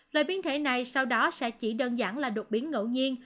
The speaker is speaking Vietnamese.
loại biến thể này sau đó sẽ chỉ đơn giản là đột biến ngẫu nhiên